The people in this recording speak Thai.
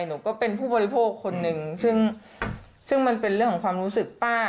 หนูก็เป็นผู้บริโภคคนหนึ่งซึ่งซึ่งมันเป็นเรื่องของความรู้สึกป้า